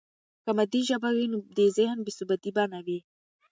که مادي ژبه وي، نو د ذهن بې ثباتي به نه وي.